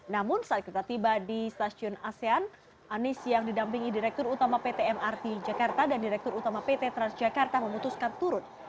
namun saat kita tiba di stasiun asean anies yang didampingi direktur utama pt mrt jakarta dan direktur utama pt transjakarta memutuskan turun